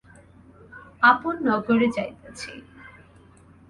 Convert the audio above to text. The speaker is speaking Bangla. আপন নগরে যাইতেছি।